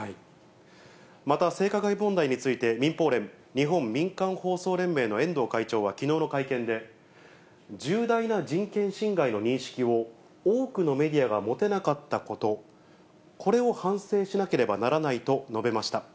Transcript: また、性加害問題について、民放連・日本民間放送連盟の遠藤会長はきのうの会見で、重大な人権侵害の認識を、多くのメディアがもてなかったこと、これを反省しなければならないと述べました。